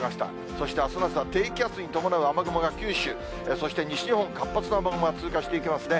そしてあすの朝、低気圧に伴う雨雲が九州、そして西日本、活発な雨雲が通過していきますね。